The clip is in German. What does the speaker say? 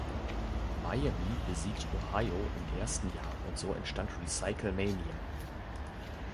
Miami besiegt Ohio im ersten Jahr, und so entstand RecycleMania.